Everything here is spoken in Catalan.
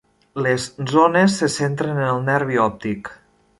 Les zones se centren en el nervi òptic.